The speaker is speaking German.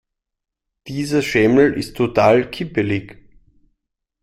Dieser Schemel ist total kippelig.